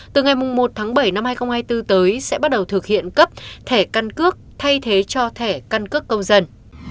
từ ngày một tháng bảy năm hai nghìn hai mươi bốn tới sẽ bắt đầu thực hiện cấp thẻ căn cước thay thế cho thẻ căn cước công dân